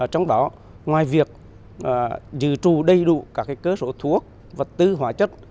trong đó ngoài việc dự trù đầy đủ các cơ số thuốc vật tư hóa chất